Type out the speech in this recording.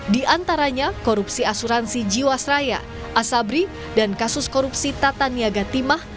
di antaranya korupsi asuransi jiwasraya asabri dan kasus korupsi tata niaga timah